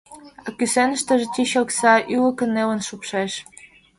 А кӱсеныштыже тич окса, ӱлыкӧ нелын шупшеш.